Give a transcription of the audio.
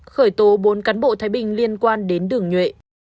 khởi tố bốn cán bộ thái bình liên quan đến đường nhuệ